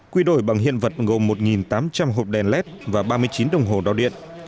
quy đổi bằng hiện vật gồm một tám trăm linh hộp đèn led và ba mươi chín đồng hồ đo điện